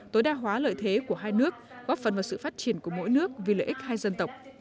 tối đa hóa lợi thế của hai nước góp phần vào sự phát triển của mỗi nước vì lợi ích hai dân tộc